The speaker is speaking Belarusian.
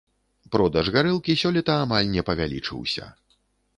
Продаж гарэлкі сёлета амаль не павялічыўся.